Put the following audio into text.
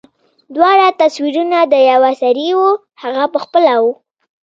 دواړه تصويرونه د يوه سړي وو هغه پخپله و.